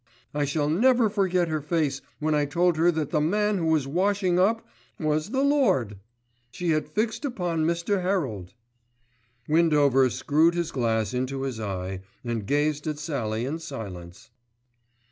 I shall never forget her face when I told her that the man who was washing up was the lord! She had fixed upon Mr. Herald." Windover screwed his glass into his eye and gazed at Sallie in silence.